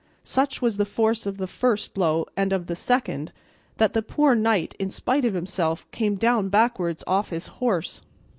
Such was the force of the first blow and of the second, that the poor knight in spite of himself came down backwards off his horse.